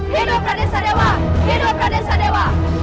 pradensa dewa pradensa dewa